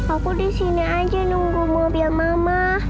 aku di sini aja nunggu mobil mama